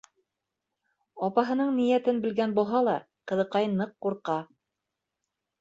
Апаһының ниәтен белгән булһа ла, ҡыҙыҡай ныҡ ҡурҡа.